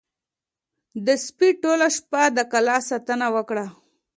د سپي ټوله شپه د کلا ساتنه وکړه.